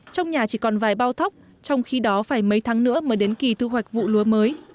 trong nhà chỉ còn vài bao thóc trong khi đó phải mấy tháng nữa mới đến kỳ thu hoạch vụ lúa mới